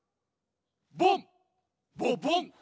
ボンボボン。